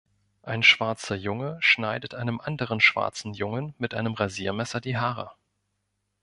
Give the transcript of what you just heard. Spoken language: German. Ein schwarzer Junge schneidet einem anderen schwarzen Jungen mit einem Rasiermesser die Haare.